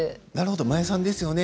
真矢さんですよね。